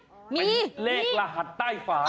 มันมีเหลขรหัสใต้ฝาน